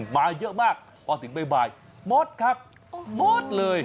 มาเยอะมากพอถึงใบมดครับมดเลย